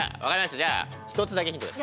じゃあ１つだけヒント出します。